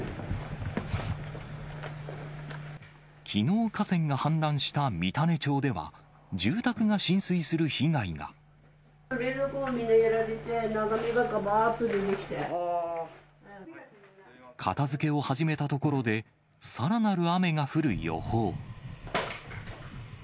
きのう河川が氾濫した三種町では、冷蔵庫がみんなやられて、片づけを始めたところで、さらなる雨が降る予報。